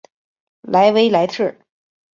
莱维莱特。